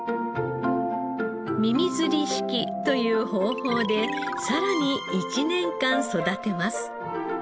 耳づり式という方法でさらに１年間育てます。